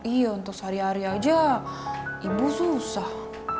iya untuk sehari hari aja ibu susah